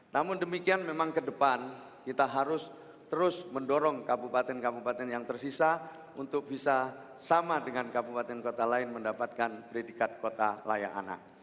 namun demikian memang ke depan kita harus terus mendorong kabupaten kabupaten yang tersisa untuk bisa sama dengan kabupaten kota lain mendapatkan predikat kota layak anak